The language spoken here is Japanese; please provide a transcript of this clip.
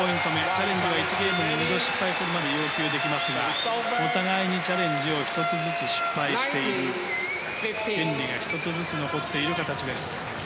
チャレンジは１ゲームに２度失敗するまで要求できますがお互いにチャレンジを１つずつ失敗している権利が１つずつ残っている形です。